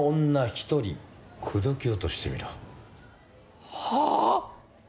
一人口説き落としてみろはっ！？